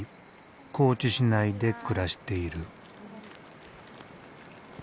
高知市内で暮らしている。